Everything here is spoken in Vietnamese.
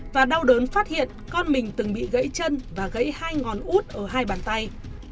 và đau đớn phát hiện con mình từng bị gãy chân và gãy hai ngón út ở hai bàn tay